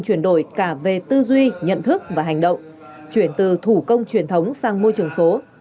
chuyển đổi cả về tư duy nhận thức và hành động chuyển từ thủ công truyền thống sang môi trường số